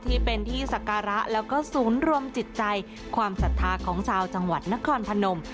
ที่เป็นที่ศักระแล้วก็ศูนย์รวมจิตใจความศรัทธาของชาวจังหวัดนครพนม